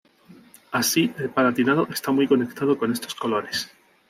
Así el Palatinado está muy conectado con estos colores.